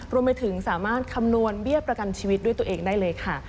รวมไปถึงสามารถคำนวณเบี้ยประกันชีวิตด้วยตัวเองได้เลยค่ะ